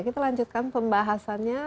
kita lanjutkan pembahasannya